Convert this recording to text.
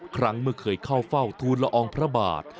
ครั้งเมื่อเคยเข้าเฝ้าทูลละอองพระบาท